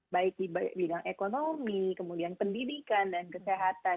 baik di bidang ekonomi kemudian pendidikan dan kesehatan